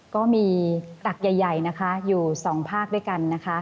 ก็มีตักใหญ่อยู่สองภาคด้วยกัน